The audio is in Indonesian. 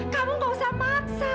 kamu nggak usah maksa